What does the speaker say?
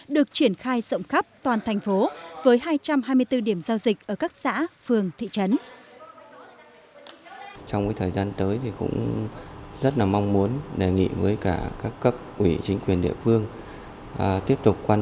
được triển khai rộng khắp toàn thành phố với hai trăm hai mươi bốn điểm giao dịch ở các xã phường thị trấn